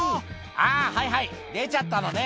あー、はいはい、出ちゃったのね。